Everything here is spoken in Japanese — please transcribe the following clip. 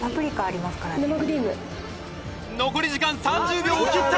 残り時間３０秒を切った